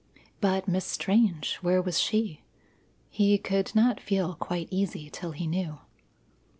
But Miss Strange! where was she? He could not feel quite easy till he knew.